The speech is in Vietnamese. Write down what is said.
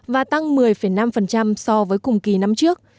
và tăng một mươi năm so với cùng kỳ năm trước